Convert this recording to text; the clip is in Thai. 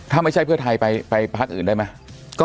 ถ้าไม่ใช่เพื่อไทยไปพักอื่นได้ไหม